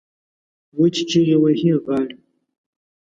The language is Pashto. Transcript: وچې چیغې وهي غاړې